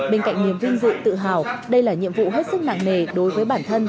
bên cạnh niềm vinh dự tự hào đây là nhiệm vụ hết sức nặng nề đối với bản thân